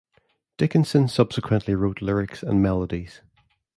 Dickinson subsequently wrote lyrics and melodies.